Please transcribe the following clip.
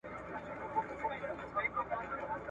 یا د هغه د خره او غوايه او يا د بل شي